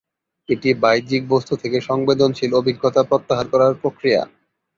এটি বাহ্যিক বস্তু থেকে সংবেদনশীল অভিজ্ঞতা প্রত্যাহার করার প্রক্রিয়া।